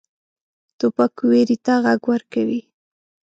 توپک ویرې ته غږ ورکوي.